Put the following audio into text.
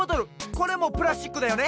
これもプラスチックだよね。